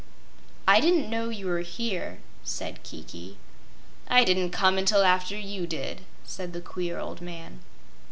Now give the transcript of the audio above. "I didn't know you were here," said Kiki. "I didn't come until after you did," said the queer old man.